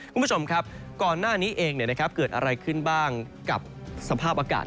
คุณผู้ชมครับก่อนหน้านี้เองเกิดอะไรขึ้นบ้างกับสภาพอากาศ